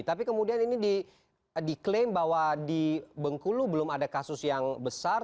tapi kemudian ini diklaim bahwa di bengkulu belum ada kasus yang besar